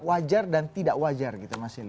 wajar dan tidak wajar gitu mas ili